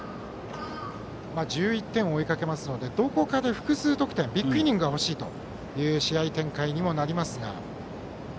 １１点を追いかけますのでどこかで複数得点、ビッグイニングが欲しいという試合展開になります。